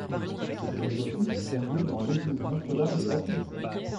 Les offices ont lieu dans l'église Notre-Dame-de-l'Assomption.